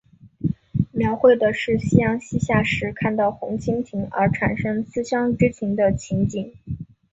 描绘的是夕阳西下时看到红蜻蜓而产生思乡之情的场景。